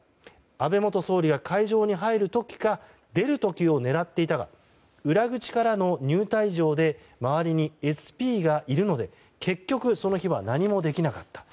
安倍元総理が会場に入る時か出る時を狙っていたが裏口からの入退場で周りにＳＰがいるので結局、その日は何もできなかった。